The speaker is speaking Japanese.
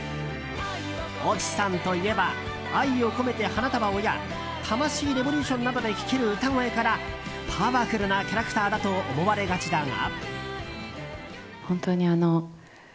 越智さんといえば「愛をこめて花束を」や「タマシイレボリューション」などで聴ける歌声からパワフルなキャラクターだと思われがちだが。